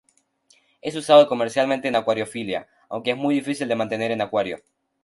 Es usado comercialmente en acuariofilia, aunque es muy difícil de mantener en acuario.